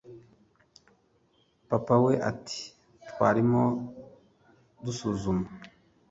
papa we ati twarimo dusuzuma